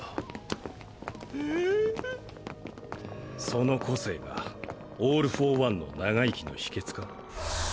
その個性がオール・フォー・ワンの長生きの秘訣か？